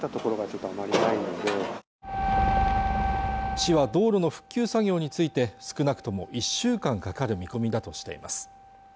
市は道路の復旧作業について少なくとも１週間かかる見込みだとしています